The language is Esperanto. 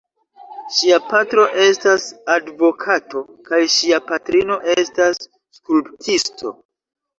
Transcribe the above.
Ŝia patro estas advokato kaj ŝia patrino estas skulptisto.